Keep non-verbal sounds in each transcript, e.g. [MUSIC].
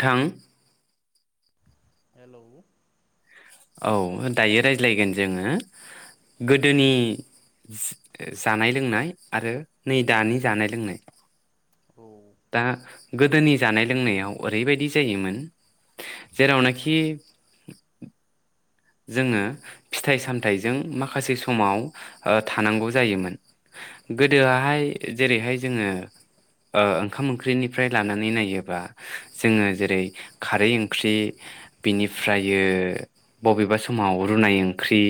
नोंथां हेल' औ दायो रायज्लायगोन जोङो गोदोनि जानाय लोंनाय आरो नै दानि जानाय लोंनाय औ दा गोदोनि जानाय लोंनायाव ओरैबायदि जायोमोन जेरावनाखि जोङो फिथाइ सामथायाइजों माखासे समाव ओ थानांगौ जायोमोन गोदोहाय जेरैहाय जोङो ओ ओंखाम ओंख्रिनिफ्राय लानानै नायोबा जोङो जेरै खारै ओंख्रि बिनिफ्रायो बबेबा समाव रुनाय ओंख्रि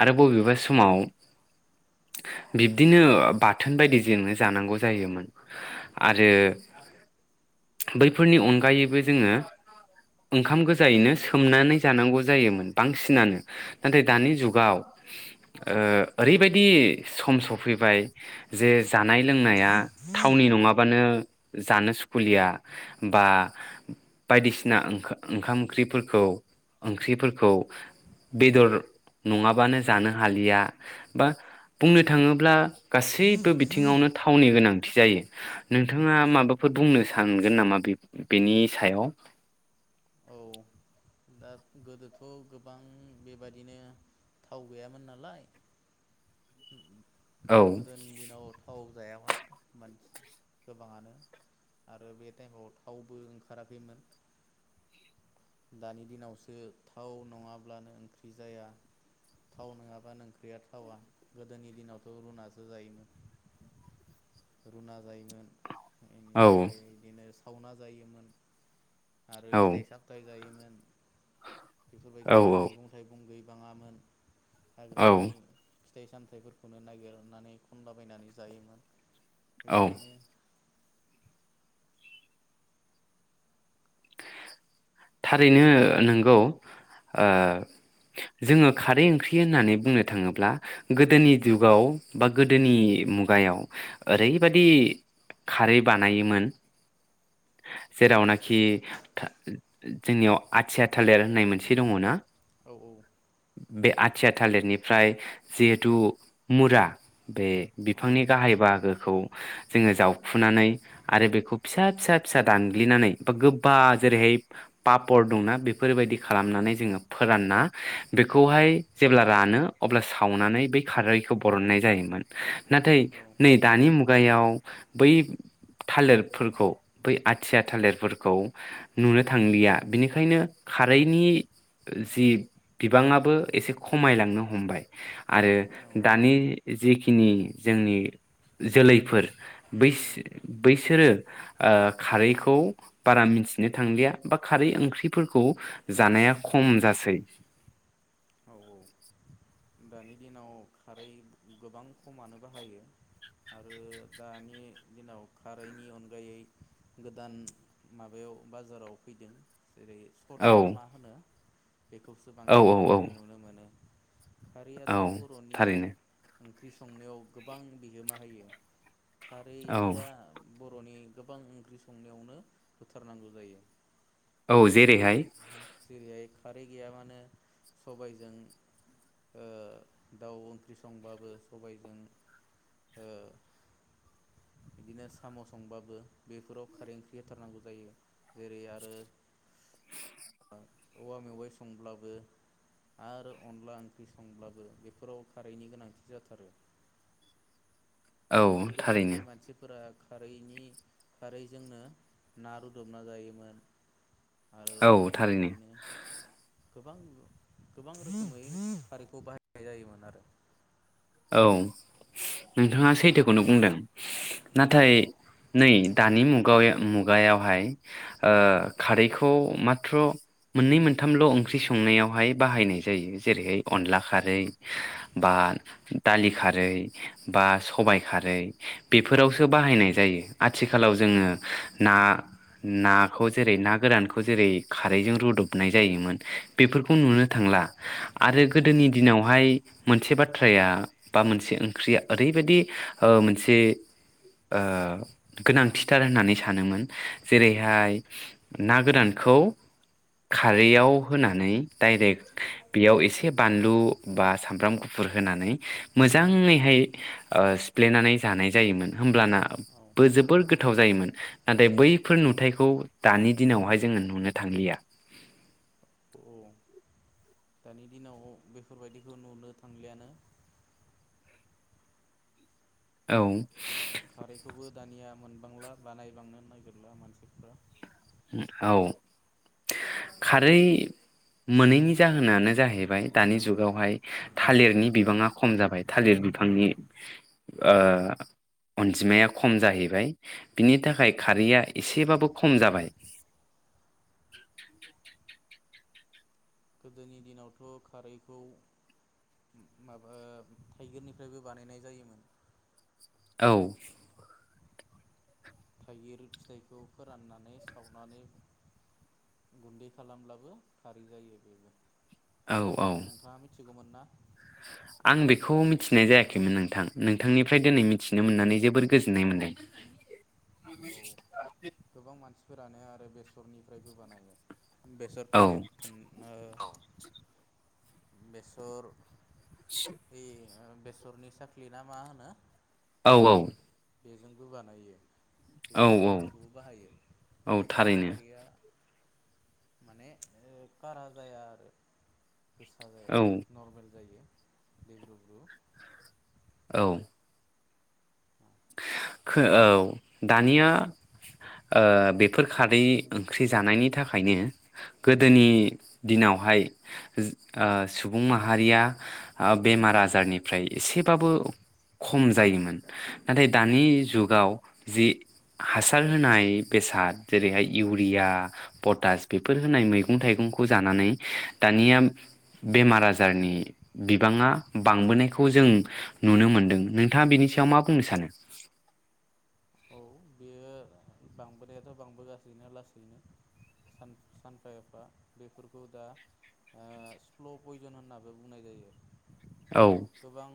आरो बबेबा समाव बिब्दिनो बाथोन बायदि जोङो जानांगौ जायोमोन आरो बैफोरनि अनगायैबो जोङो ओंखाम गोजायैनो सोमनानै जानांगौ जायोमोन बांसिनानो नाथाय दानि जुगाव ओ ओरैबायदि सम सफैबाय जे जानाय लोंनाया थावनि नङाबानो जानो सुखुुलिया बा बायदिसिना ओंखाम ओंख्रिफोरखौ ओंख्रिफोरखौ बेदर नङाबानो जानो हालिया बा बुंनो थाङोब्ला गासैबो बिथिङावनो थावनि गोनां जायो नोंथाङा माबाफोर बुंनो सानगोन नामा बेनि सायाव औ दा गोदोथ' गोबां बेबादिनो थाव गैयामोन नालाय औ गोदोनि दिनाव थाव जायामोन मानसि गोबाङानो आरो बे टाइमाव थावबो ओंखाराखैमोन दानि दिनावसो थाव नङाब्लानो ओंख्रि जाया थाव नङाबानो ओंख्रिया थावा गोदोनि दिनावथ' रुनासो जायोमोन रुना जायोमोन औ बेनिफ्राय बिदिनो सावना जायोमोन आरो औ फिथाइ साम जायोमोन बेफोरबायदि औ मैगं थाइगं गै बाङामोन हाग्रानि औ फिथाइ सामथाइफोरखौनो नागिरनानै खनलाबायनानै जायोमोन औ बेबायदिनो थारैनो नंगौ ओ जोङो खारै ओंख्रि होननानै बुंनो थाङोब्ला गोदोनि जुगाव बा गोदोनि मुगायाव ओरैबादि खारै बानायोमोन जेरावनाखि ओ जोंनियाव आथिया थालिर होननाय मोनसे दङ ना औ औ बे दं आथिया थालिरनिफ्राय जिहेथु मुरा बे औ बिफांनि गाहाय बाहागो ओ जोङो जावखुनानै आरो बेखौ फिसा फिसा फिसा दानग्लिनानै बा गो बा जेरैहाय पापर दंना बेफोरबायदि खालामनानै जोङो फोरानना बेखौहाय जेब्ला रानो अब्ला सावनानै बै खारैखौ बरननाय जायोमोन नाथाय औ नै दानि मुग गायाव बै थालिरफोरखौ बै आथिया थालिरफोरखौ नुनो थांलिया बिनिखायनो खारैनि जि बिबाङाबो एसे खमायलांनो हमबाय आरो दानि जिखि खिनि जोंनि जोलैफोर बैस औ बैसोरो ओ खारैखौ बारा मि सिनो थांलिया बा खारै ओंख्रिफोरखौ जानाया खम जासै औ औ दानि दिनाव खारै गोबां खमानो बाहायो आरो दानि दिनाव खारैनि अनगायै गोदान माबायाव बाजाराव फैदों जेरै सदा औ ना मा होनो बेखौसो औ बांसिन औ बा औ खारैयाथ' औ बर'नि थारैनो ओंख्रि संनायाव गोबां बिहोमा होयो औ खारैया बर'नि गोबां ओंख्रि संनायावनो होथारनांगौ जायो औ जेरैहाय जेरैहाय खारै गैयाबानो सबायजों ओ दाउ ओंख्रि संबाबो सबायजों ओ बिदिनो साम' संबाबो बेफोराव खारै ओंख्रि होथारनांगौ जायो जेरै आरो औवा मेवाइ संब्लाबो आरो अनला ओंख्रि संब्लाबो बेफोराव खारैनि गोनांथि जाथारो औ गोदोनि थारैनो मानसिफोरा खारैनि खारैजोंनो ना रुदबना जायोमोन आरो औ थारैनो बिदिनो गोबां गोबां रोखोमै खारैखौ बाहायनाय जायोमोन आरो औ नोंथाङा सैथोखौनो बुंदों नाथाय नै दानि मुगा मुगायावहाय ओ खारैखौ माथ्र' मोननै मोनथामल' ओंख्रि संनायावहाय बाहायनाय जायो जेरैहाय अनला खारै बा दालि खारै बा सबाय खारै बेफोरावसो बाहायनाय जायो आथिखालाव जोङो ना नाखौ जेरै ना गोरानखौ जेरै खारैजों रुदबनाय जायोमोन बेफोरखौ नुनो थांला आरो औ गोदोनि दिनावहाय मोनसे बाथ्रा थ्राया बा मोनसे ओंख्रिया ओरैबायदि ओ मोनसे ओ गोनांथिथार होननानै सानोमोन जेरैहाय ना गोरानखौ औ खारैयाव होनानै डाइरेक्ट बेयाव एसे बानलु बा सामब्राम गुफुर होनानै मोजाङैहाय सिफ्लेनानै जानाय जायोमोन होमब्लाना औ बो जोबोर गोथाव जायोमोन नाथाय बैफोर नुथायखौ दानि दिनावहाय जोङो नुनो थांलिया औ दानि दिनाव बेफोरबायदिखौ नुनो थांलियानो औ ओ खारैखौबो दानिया मोनबांला बानायबांनो नागिरला मानसिफ्रा औ खारै मोनैनि जाहोनानो जाहैबाय दानि जुगावहाय थालिरनि बिबाङा खम जाबाय थालिर बिफांनि ओ अनजिमाया खम जाहैबाय बिनि थाखाय खारैआ एसेबाबो खम जाबाय गोदोनि दिनावथ' खारैखौ माबा थाइगिरनिफ्रायबो बानायनाय जायोमोन औ थाइगिर फिथाइखौ फोराननानै सावनानै गुन्दै खालामब्लाबो खारै जायो बेबो औ नोंथाङा मिथिगौ मोनना आं बेखौ मिथिनाय जायाखैमोन नोंथां नोंथांनिफ्राय दिनै मिथिनो मोननानै जोबोर गोजोननाय मोनदों [UNINTELLIGIBLE] फोरानो आरो बेसरनिफ्रायबो बानायो बेसर औ फेरदखोना बेसर ए बेसरनि साख्लि ना मा होनो औ औ बेजोंबो बानायो बेखौ औ औ सावनायखौबो बाहायो औ बेफोर थारैनो खारैया माने खारा जाया आरो गोसा जाया औ नर्मेल जायो दैब्रु ब्रु औ खो औ दानिया ओ बेफोर खारै ओंख्रि जानायनि थाखायनो गोदोनि दिनावहाय ओ सुबुं माहारिया बेमार आजारनिफ्राय एसेबाबो खम जायोमोन नाथाय दानि जुगाव जि हासार होनाय बेसाद जेरैहाय इउरिया पटास बेफोर होनाय मैगं थाइगंखौ जानानै दानिया बेमार आजारनि बिबाङा बांबोनायखौ जों नुनो मोनदों नोंथाङा बिनि सायाव मा बुंनो सानो औ बेयो बांबोनायाथ' बांबोगासिनो लासैनो सानफा एफा बेफोरखौ दा स्ल' पयजन होनाबो बुंनाय जायो औ गोबां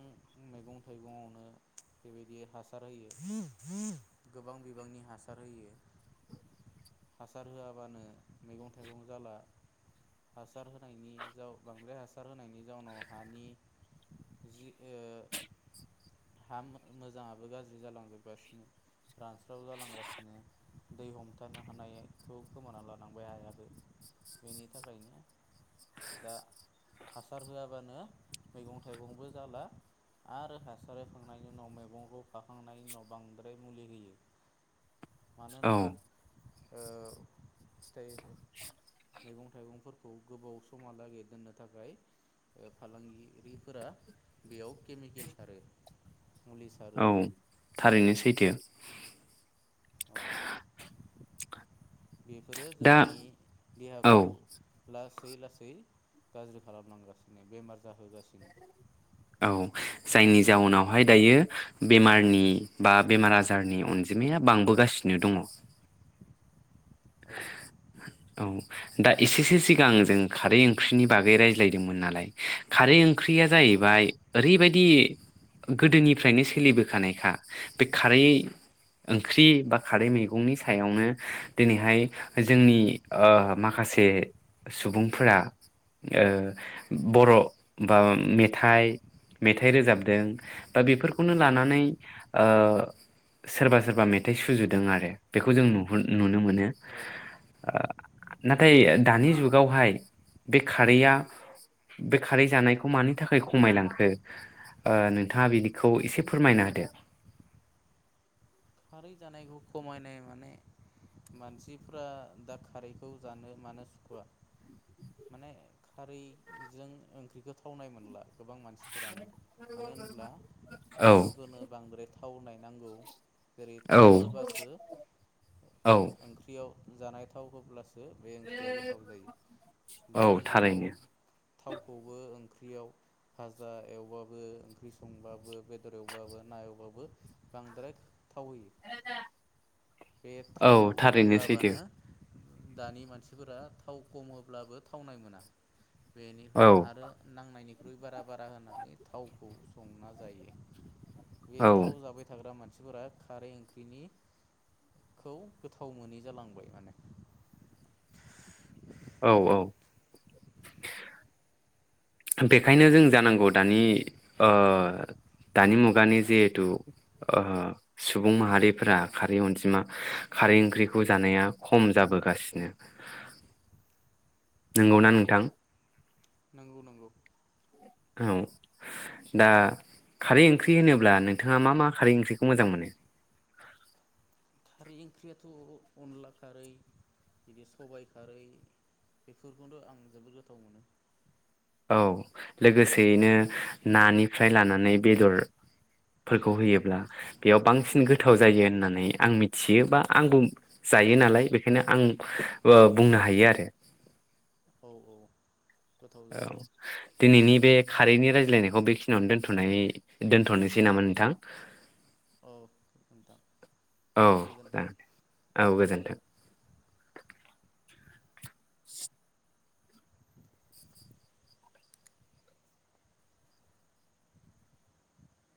मैगं थाइगंआवनो बेबायदि हासार होयो गोबां बिबांनि हासार होयो हासार होआबानो मैगं थाइगं जाला हासार होनायनि जा बांद्राय हासार होनायनि जाउनाव हानि जि ओ हा मोजाङाबो गाज्रि जालांजोबगासिनो रानस्राव जालांगासिनो दै हमथानो हानायखौ खोमाना लानांबाय हायाबो बेनि थाखायनो दा हासार होआबानो मैगं थाइगंबो जाला आरो हासार होखांनायनि उनाव मैगंखौ खाखांनायनि उनाव बांद्राय मुलि होयो मानो औ होनबा ओ फिथाइ मैगं थाइगंफोरखौ गोबाव समहालागै दोननो थाखाय फालांगिरिफोरा बेयाव केमिकेल सारो मुलि सारो औ थारैनो सैथो औ बेफोरो दा जोंनि औ देहाखौ ला सै लासै गाज्रि खालामलांगासिनो बेमार जाहोगासिनो औ जायनि जाउनावहाय दायो बेमारनि बा बेमार आजारनि अनजिमाया बांबोगासिनो दङ औ औ दा एसेसो सिगां जों खारै ओंख्रिनि बागै रायज्लायदोंमोन नालाय खारै ओं ख्रिरिया औ जाहैबाय ओरैबाय दि गोदोनिफ्रायनो सोलिबोखानायखा बे खारै ओंख्रि बा खारै मैगंनि सायावनो दिनैहाय जोंनि ओ माखासे सुबुंफोरा ओ बर' बा मेथाइ मेथाइ रोजाबदों बा बेफोरखौनो लानानै ओ सोरबा सोरबा मेथाइ सुजुदों आरो बेखौ जों नुह नुनो मोनो ो औ नाथाय दानि जुगावहाय बे खारैआ बे खारै जानायखौ मानि थाखाय खमायलांखो ओ नोंथाङा बिनिखौ एसे फोरमायना होदो खारै जानायखौ खमायनाय माने मानसिफ्रा दा खारैखौ जानो मानो सुखुवा माने खारैजों ओंख्रिखौ थावनाय मोनला गोबां मानसिफोरानो मानो होनब्ला औ मानसिफोरनो बांद्राय थावनाय नांगौ जेरै औ थाव होबासो औ ओंख्रियाव जानाय थाव होब्लासो बे ओंख्रिया गोथाव जायो औ दानि जुगाव थारैनो थावखौबो ओंख्रियाव भाजा एवबाबो ओंख्रि संबाबो बेदर एवबाबो ना एवबाबो बांद्राय थाव होयो बे औ थाव थारैनो सैथो होआबानो दानि मानसिफोरा थाव खम होब्लाबो थावनाय मोना बेनिफ्राय औ आरो नांनायनि खौ बारा बारा होनानै थावखौ संना जायो बे औ थाव जाबाय थाग्रा मान सिफोरा खारै ओंख्रिनिखौ गोथाव मोनै जालांबाय माने औ औ बेखायनो जों जानांगौ दानि ओ दानि मुगानि जिहेथु ओ सुबुं माहारिफोरा खारै अनजिमा खारै ओंख्रिखौ जानाया खम जाबोगासिनो नंगौना औ नोंथां नंगौ नंगौ औ दा खारै ओंख्रि होनोब्ला नोंथाङा मा मा खारै ओंख्रिखौ मोजां मोनो खारै ओंख्रियाथ' अनला खारै बिदि सबायाइ खारै बेफोरखौनो आं जोबोद गोथाव मोनो औ लोगोसेयैनो नानिफ्राय लानानै बेदरफोरखौ होयोब्ला बेयाव बांसिन औ गोथाव जायो होननानै आं मि थियो बा आंबो जायो नालाय बेखायनो आं ओ बुंनो हायो आरो औ औ गोथाव औ जायो दिनैनि बे खारैनि रायज्लायनायखौ बेखिनियावनो दोनथ' दोनथ'नोसै नामा नोंथां औ नोंथां औ गोजोन्थों जागोन दे। औ गोजोन्थों।